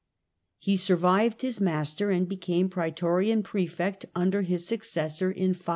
He survived his master, and became Prae torian Prefect under his successor in 533.